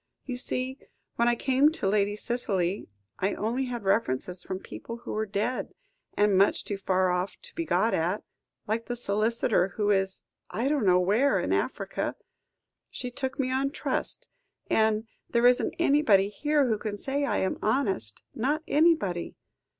You see, when I came to Lady Cicely, I only had references from people who were dead, or much too far off to be got at, like the solicitor who is I don't know where in Africa. She took me on trust, and there isn't anybody here who can say I am honest, not anybody."